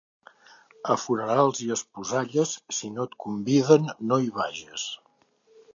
A funerals i esposalles, si no et conviden no hi vages.